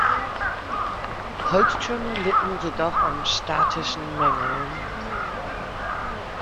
Holztürme litten jedoch an statischen Mängeln.